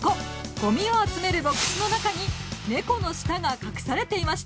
ゴミを集めるボックスの中にネコの舌が隠されていました！